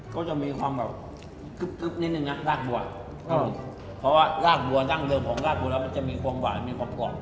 ก็จะมีความแบบนิดหนึ่งน่ะรากบัวเพราะว่ารากบัวตั้งเรื่องของรากบัวแล้วมันจะมีความหวานมีความกรอบ